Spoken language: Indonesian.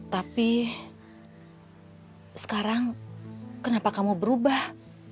tapi sekarang kenapa kamu berubah